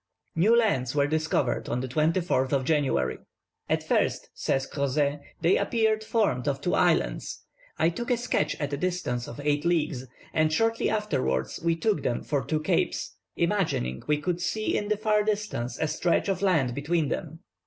New lands were discovered on the 24th of January. "At first," says Crozet, "they appeared formed of two islands; I took a sketch at a distance of eight leagues, and shortly afterwards we took them for two capes, imagining we could see in the far distance a stretch of land between them.